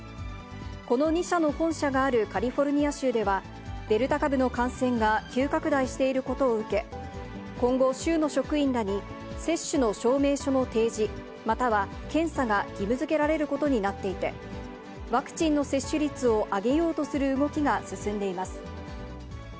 この２社の本社があるカリフォルニア州では、デルタ株の感染が急拡大していることを受け、今後、州の職員らに接種の証明書の提示、または検査が義務づけられることになっていて、ワクチンの接種率を上げようとする動きが進んでいます。